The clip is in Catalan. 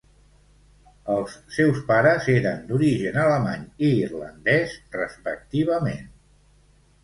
Els seus pares eren d'origen alemany i irlandès respectivament.